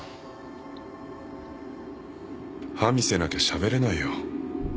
歯見せなきゃしゃべれないよ。